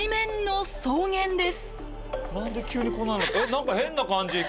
何か変な感じ景色。